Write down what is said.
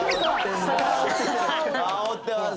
あおってます。